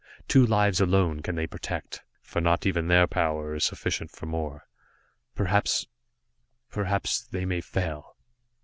Two lives alone they can protect, for not even their power is sufficient for more. Perhaps perhaps they may fail."